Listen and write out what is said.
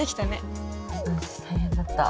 うん大変だった。